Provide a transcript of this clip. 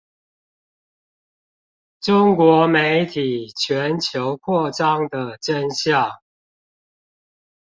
中國媒體全球擴張的真相